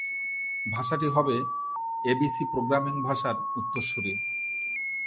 ভাষাটি হবে ABC programming ভাষার উত্তরসূরি।